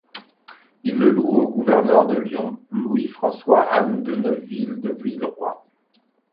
Il le loue au gouverneur de Lyon, Louis François Anne de Neufville de Villeroy.